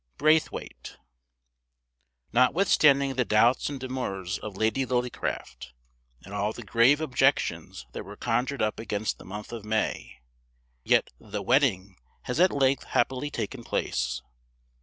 BRAITHWAITE. Notwithstanding the doubts and demurs of Lady Lillycraft, and all the grave objections that were conjured up against the month of May, yet the Wedding has at length happily taken place.